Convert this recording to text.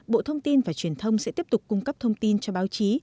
bộ thông tin và truyền thông sẽ tiếp tục cung cấp thông tin cho báo chí